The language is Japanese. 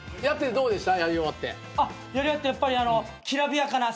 どうでしたか？